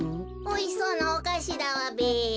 おいしそうなおかしだわべ。